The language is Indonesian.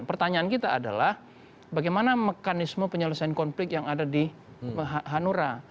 pertanyaan kita adalah bagaimana mekanisme penyelesaian konflik yang ada di hanura